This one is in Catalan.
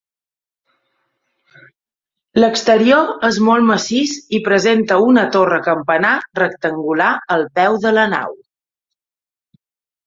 L'exterior és molt massís i presenta una torre campanar rectangular al peu de la nau.